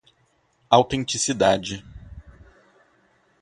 autenticidade